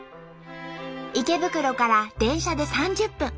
池袋から電車で３０分。